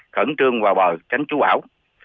khẩn trương vào bờ tránh trú bão